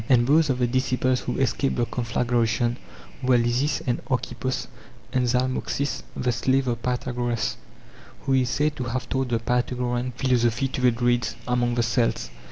And those of the disciples who escaped the conflagration were Lysis and Archippos and Zalmoxis the slave of Pythagoras, who is said to have taught the Pythagorean philosophy to the Druids among the Celts.!